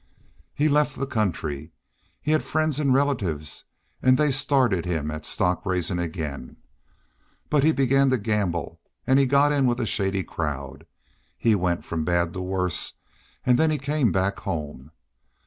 He left the country. He had friends an' relatives an' they started him at stock raisin' again. But he began to gamble an' he got in with a shady crowd. He went from bad to worse an' then he came back home.